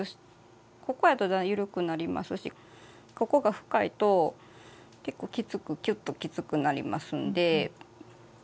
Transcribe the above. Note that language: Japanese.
ここやと緩くなりますしここが深いと結構きつくきゅっときつくなりますんで。